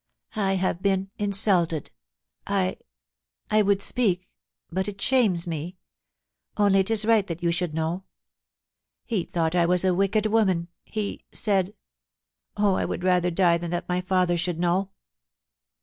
1 have been — insulted I — I would speak, but it shames me — only it is right that you should know. He thought I was a wicked woman — he — said Oh, I would die rather than that my father should know